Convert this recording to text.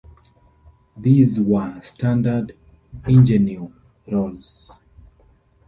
These were standard ingenue roles.